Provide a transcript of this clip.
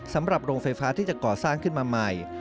โรงไฟฟ้าที่จะก่อสร้างขึ้นมาใหม่